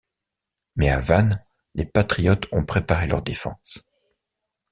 Mais à Vannes, les patriotes ont préparé leur défense.